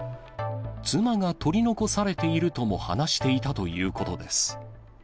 妻が取り残されているとも話していたということです。